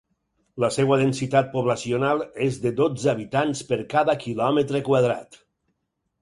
La seva densitat poblacional és de dotze habitants per cada quilòmetre quadrat.